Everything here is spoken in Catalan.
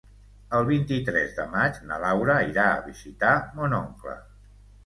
El vint-i-tres de maig na Laura irà a visitar mon oncle.